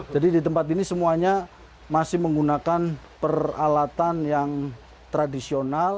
jadi di tempat ini semuanya masih menggunakan peralatan yang tradisional